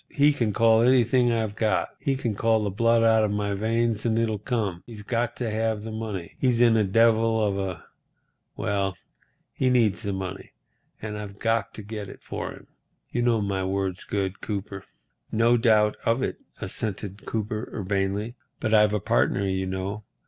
He can call anything I've got. He can call the blood out of my veins and it'll come. He's got to have the money. He's in a devil of a—Well, he needs the money, and I've got to get it for him. You know my word's good, Cooper." "No doubt of it," assented Cooper, urbanely, "but I've a partner, you know.